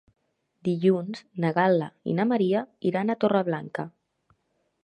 Dilluns na Gal·la i na Maria iran a Torreblanca.